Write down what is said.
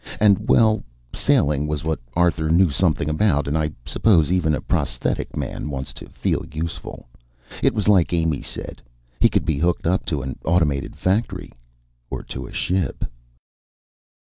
And well, sailing was what Arthur knew something about and I suppose even a prosthetic man wants to feel useful. It was like Amy said: He could be hooked up to an automated factory Or to a ship.